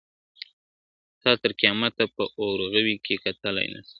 تا تر قیامته په اورغوي کي کتلای نه سم ,